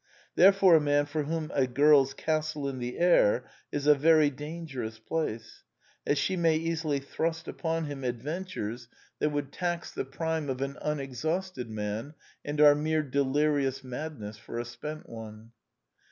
Therefore a man for whom a girl's castle in the air is a very dangerous place, as she may easily thrust upon him adventures ths^t The Last Four Plays 141 would tax the prime of an unexhausted man, and are mere delirious madness for a spent one.